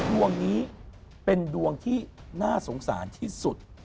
ดวงนี้เป็นดวงที่น่าสงสารที่สุด